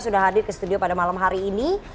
sudah hadir ke studio pada malam hari ini